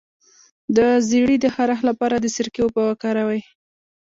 د زیړي د خارښ لپاره د سرکې اوبه وکاروئ